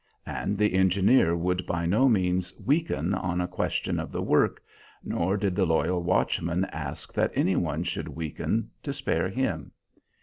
And the engineer would by no means "weaken" on a question of the work, nor did the loyal watchman ask that any one should weaken, to spare him.